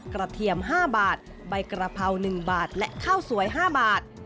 กระเทียมห้าบาทใบกระเพราหนึ่งบาทและข้าวสวยห้าบาท